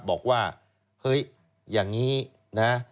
บอกว่าเฮ้ยอย่างนี้นะ